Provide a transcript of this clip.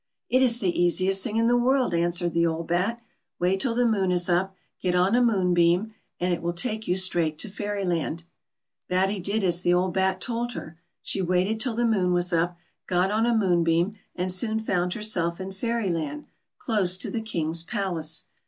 " It is the easiest thing in the world," answered the old bat ; "wait till the moon is up, get on a moonbeam, and it will take you straight to Fairyland." Batty did as the old bat told her. She waited till the moon was up, got on a moonbeam, and soon found herself in Fair\ land, close to the King's palace.